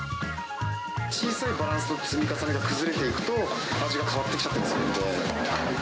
小さいバランスの積み重ねが崩れていくと、味が変わってきちゃったりするんで。